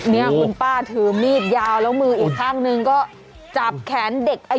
เนี่ยคุณป้าถือมีดยาวแล้วมืออีกข้างนึงก็จับแขนเด็กอายุ